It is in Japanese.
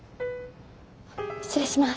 失礼します。